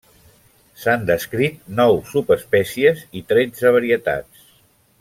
S'han descrit nou subespècies i tretze varietats.